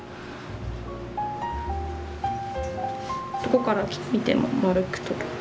どこから見ても丸く取る。